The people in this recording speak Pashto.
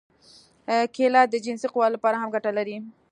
کېله د جنسي قوت لپاره هم ګټه لري.